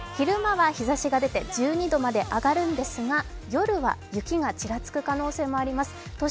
昼間は日ざしが出て１２度まで上がるんですが夜は雪がちらつく可能性もあります。